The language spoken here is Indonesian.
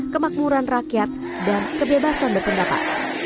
kemakmuran rakyat dan kebebasan berpendapat